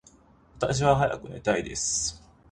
私は早く寝たいです。